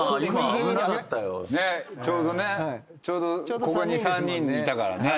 ちょうどここに３人いたからね。